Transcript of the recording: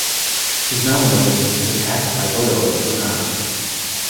His nominalism was attacked by Odo of Tournai.